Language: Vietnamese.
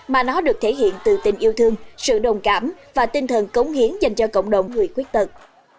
mà nó được thể hiện từ tình yêu thương sự đồng cảm và tinh thần cống hiến dành cho cộng đồng người khuyết tật